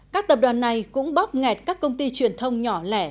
các tập đoàn này cũng bóp nghẹt các công ty truyền thông nhỏ lẻ